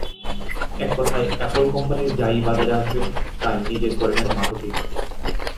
এককথায় অ্যাপল কোম্পানির যা-ই বাজারে আসবে, তা-ই নিজের করে নেন মাধুরী।